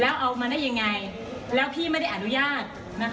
ว่าพี่ไม่ได้อนุญาต